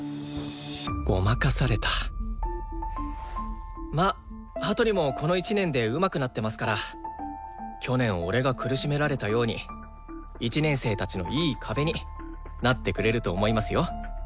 ごまかされたまあ羽鳥もこの１年でうまくなってますから去年俺が苦しめられたように１年生たちのいい壁になってくれると思いますよ。